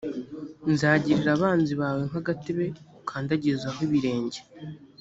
nzagirira abanzi bawe nk agatebe ukandagizaho ibirenge